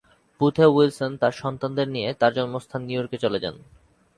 Boothe-Wilson তার সন্তানদের নিয়ে তার জন্মস্থান নিউ ইয়র্কে চলে যান।